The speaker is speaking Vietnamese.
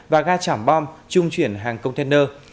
và ga trảm bom trung chuyển hàng container